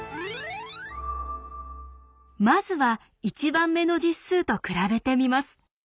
まずは１番目の実数と比べてみます。